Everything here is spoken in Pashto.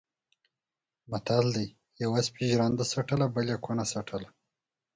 متل دی: یوه سپي ژرنده څټله بل یې کونه څټله.